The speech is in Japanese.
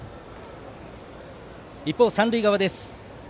一方、三塁側です。